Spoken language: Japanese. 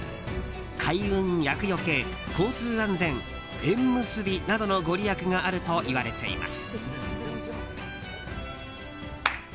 開運厄除、交通安全縁結びなどのご利益があるといわれています。